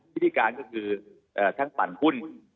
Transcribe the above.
วิธีการก็คือทั้งปั่นหุ้น